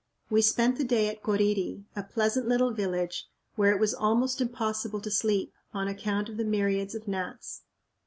We spent the day at Coriri, a pleasant little village where it was almost impossible to sleep, on account of the myriads of gnats.